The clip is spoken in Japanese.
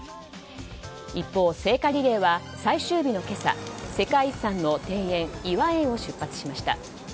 一方、聖火リレーは最終日の今朝世界遺産の庭園頤和園を出発しました。